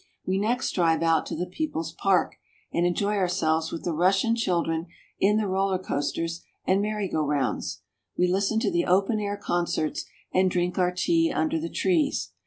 We next drive out to the peoples' park, and enjoy our selves with the Russian children in the roller coasters and merry go rounds; we listen to the open air concerts, and drink our tea under the trees.